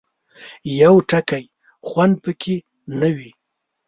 یو ټکی خوند پکې نه وي.